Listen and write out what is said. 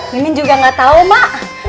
mimin juga gatau maa